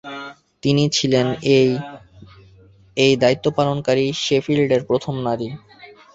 তিনি ছিলেন এই দায়িত্বপালনকারী শেফিল্ডের প্রথম নারী।